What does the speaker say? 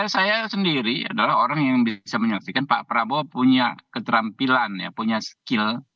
saya sendiri adalah orang yang bisa menyaksikan pak prabowo punya keterampilan ya punya skill